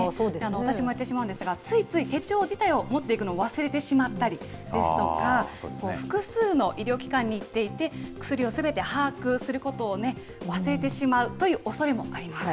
私もやってしまうんですが、ついつい手帳自体を持っていくのを忘れてしまったりですとか、複数の医療機関に行っていて、薬をすべて把握することを忘れてしまうというおそれもあります。